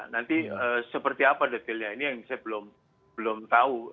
nanti seperti apa detailnya ini yang saya belum tahu